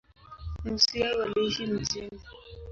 Nusu yao waliishi mjini.